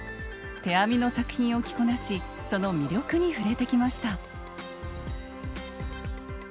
手編みの作品を着こなしその魅力に触れてきました。